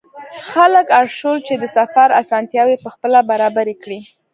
خلک اړ شول چې د سفر اسانتیاوې پخپله برابرې کړي.